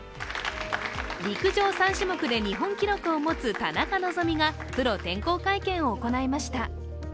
陸上３種目で日本記録を持つ田中希実がプロ転向会見を行いました。